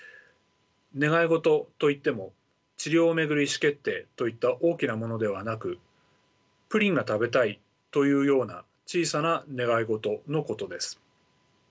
願い事といっても「治療を巡る意思決定」といった大きなものではなく「プリンが食べたい」というような小さな願い事のことです。